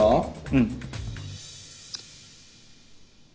うん。